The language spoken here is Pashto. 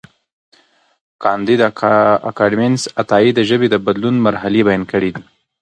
کانديد اکاډميسن عطايي د ژبې د بدلون مرحلې بیان کړې دي.